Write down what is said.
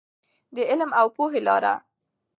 د علم او پوهې لاره.